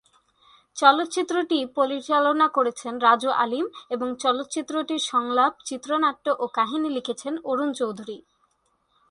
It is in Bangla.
চলচ্চিত্রটি পরিচালনা করেছেন রাজু আলীম এবং চলচ্চিত্রটির সংলাপ, চিত্রনাট্য ও কাহিনি লিখেছেন অরুণ চৌধুরী।